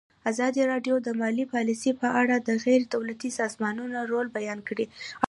ازادي راډیو د مالي پالیسي په اړه د غیر دولتي سازمانونو رول بیان کړی.